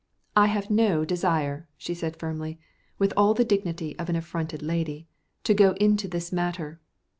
"I have no desire," she said firmly, with all the dignity of an affronted lady, "to go into this matter."